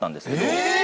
え！